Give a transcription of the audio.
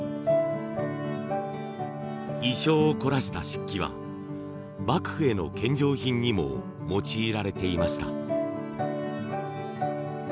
意匠を凝らした漆器は幕府への献上品にも用いられていました。